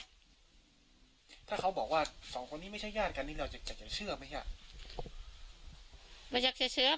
ถ้าเขาบอกว่า๒คนนี้ไม่ใช่ย่านกันนี่แล้วจะอยากเชื่อไหม